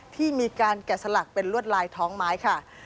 ที่มีการแกะสลักเป็นลวดลายท้องไม้ค่ะ